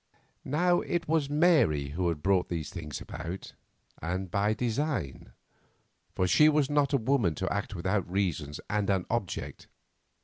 Now it was Mary who had brought these things about, and by design; for she was not a woman to act without reasons and an object.